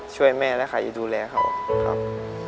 ช่วยแม่และใครดูแลเขาครับ